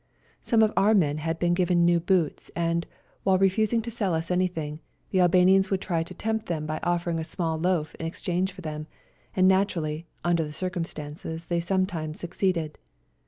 Some of our men had been given new boots, and, while refusing to sell us anything, the Albanians would try to tempt them by 150 ELBASAN offering a small loaf in exchange for them, and naturally, under the circumstances, they sometimes succeeded.